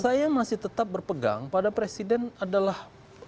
saya masih tetap berpegang pada presiden adalah